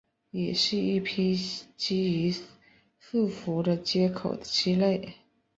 也是一批基于字符的接口的基类。